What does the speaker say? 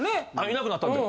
いなくなったんで。